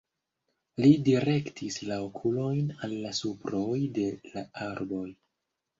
Li direktis la okulojn al la suproj de la arboj.